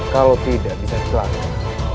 kalau tidak bisa hilang